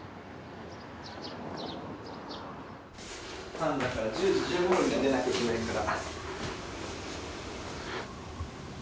半だから１０時１５分に出なきゃいけないから。